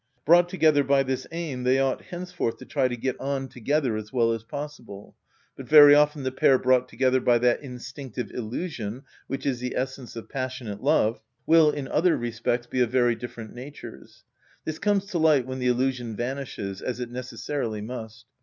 Brought together by this aim, they ought henceforth to try to get on together as well as possible. But very often the pair brought together by that instinctive illusion, which is the essence of passionate love, will, in other respects, be of very different natures. This comes to light when the illusion vanishes, as it necessarily must.